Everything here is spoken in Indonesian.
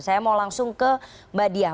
saya mau langsung ke mbak diah